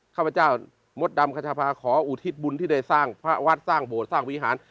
ข้าพเจ้ามดดำคัชภาขออุทิศบุญที่ได้สร้างพระวัดสร้างโบสถสร้างวิหาร